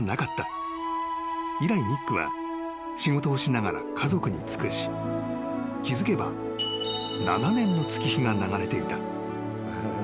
［以来ニックは仕事をしながら家族に尽くし気付けば７年の月日が流れていた］